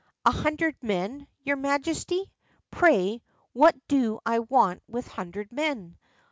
"A hundred men, your majesty! Pray, what do I want with a hundred men?